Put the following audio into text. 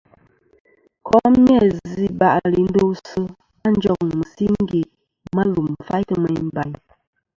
Kom ni-a zɨ̀ iba'lɨ i ndosɨ a njoŋ mɨsingè ma lum faytɨ meyn bayn.